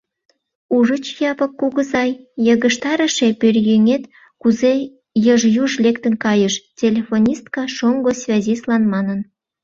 — Ужыч, Япык кугызай, йыгыжтарыше пӧръеҥет кузе йыж-юж лектын кайыш? — телефонистка шоҥго связистлан манын.